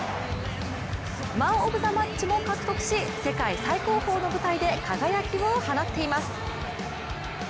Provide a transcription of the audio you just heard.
マンオブザマッチも獲得し世界最高峰の舞台で輝きを放っています。